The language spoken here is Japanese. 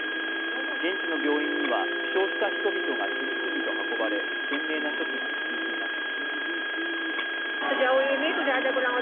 現地の病院には負傷した人々が次々と運ばれ懸命な処置が続いています。